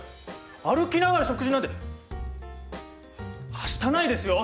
歩きながら食事なんてはしたないですよ！